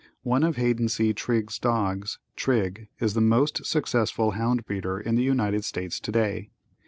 One of Haiden C. Trigg's dogs, Trigg, is the most successful hound breeder in the United States today.